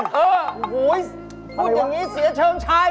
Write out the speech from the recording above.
พูดอย่างนี้เสียเชิงชาย